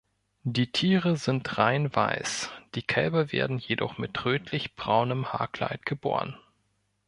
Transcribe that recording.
Die Tiere sind rein weiß, die Kälber werden jedoch mit rötlich braunem Haarkleid geboren.